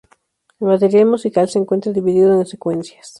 El material musical se encuentra dividido en secuencias.